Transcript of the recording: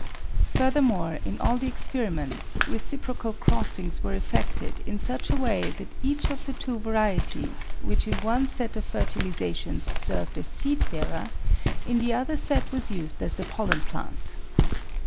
Furthermore, in all the experiments reciprocal crossings were effected in such a way that each of the two varieties which in one set of fertilisation served as seed bearer in the other set was used as the pollen plant.